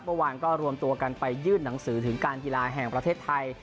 เมื่อวานก็รวมตัวกันไปยื่นหนังสือถึงการกีฬาแห่งประเทศไทย